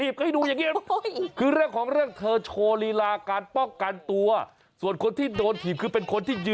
บอกว่าไหนสาธิตให้หน่อย